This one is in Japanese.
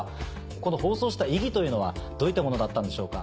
この放送した意義というのはどういったものだったんでしょう。